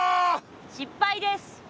失敗です。